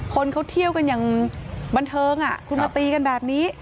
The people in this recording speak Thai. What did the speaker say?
คนเขาเที่ยวกันอย่างบันเทิงคุณมาตีกันแบบนี้